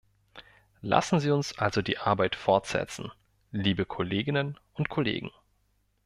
Lassen Sie uns also die Arbeit fortsetzen, liebe Kolleginnen und Kollegen.